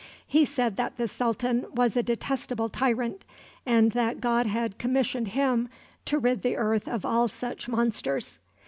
He said that the sultan was a detestable tyrant, and that God had commissioned him to rid the earth of all such monsters.